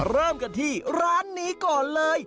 เริ่มกันที่ร้านนี้ก่อนเลย